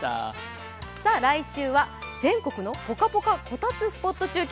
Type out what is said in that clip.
来週は全国のぽかぽかこたつスポット中継